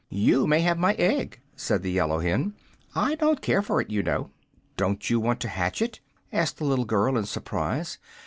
"You may have my egg," said the yellow hen. "I don't care for it, you know." "Don't you want to hatch it?" asked the little girl, in surprise.